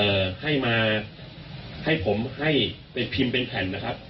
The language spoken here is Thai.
เอ่อให้มาให้ผมให้ไปพิมพ์เป็นแผ่นนะครับ